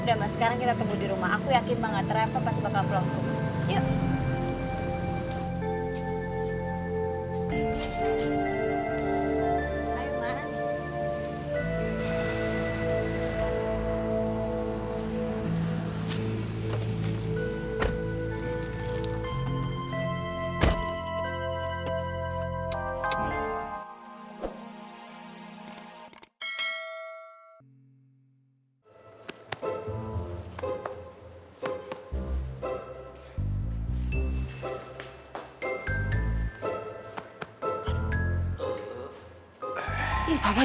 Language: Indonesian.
udah mas sekarang kita tunggu di rumah aku yakin banget reva pasti bakal pulang